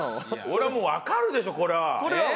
俺はもうわかるでしょこれは。